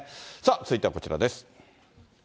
続いてはこちらです。